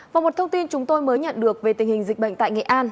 và một thông tin chúng tôi mới nhận được về tình hình dịch bệnh tại nghệ an